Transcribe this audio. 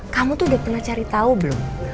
kamu tuh udah pernah cari tahu belum